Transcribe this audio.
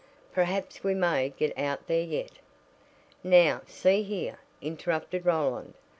"Perhaps we may get out there yet." "Now, see here," interrupted Roland.